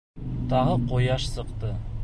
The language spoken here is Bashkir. Тағы ҡояш сыҡты.